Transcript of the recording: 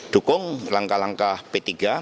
dukung langkah langkah p tiga